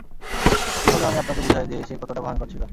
কীভাবে আমি আপনাকে বুঝাই যে, সে কতটা ভয়ংকর ছিলো!